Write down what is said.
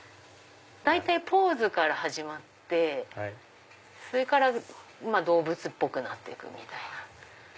大体ポーズから始まってそれから動物っぽくなって行くみたいな。